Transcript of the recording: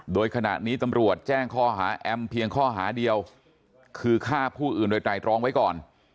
โดยขณะนี้ตำรวจแจ้งข้อหาแอมเพียงข้อหาเดียวคือฆ่าผู้อื่นโดยไตรรองไว้ก่อน